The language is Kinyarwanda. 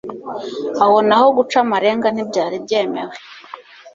Aho na ho guca amarenga ntibyari byemewe